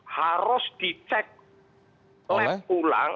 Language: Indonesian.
harus dicek lab ulang